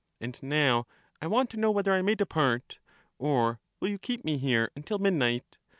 And now I want PhUehus. to know whether I may depart ; or will you keep me here socrates. until midnight